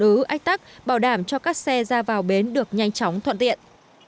cảnh sát trật tự ách tắc bảo đảm cho các xe ra vào bến được nhanh chóng thuận tiện